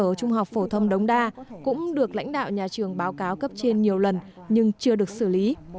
trường trung học phổ thông đống đa cũng được lãnh đạo nhà trường báo cáo cấp trên nhiều lần nhưng chưa được xử lý